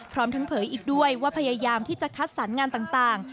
พร้อมทั้งเผยอีกด้วยว่าพยายามที่จะคัดสรรงานต่าง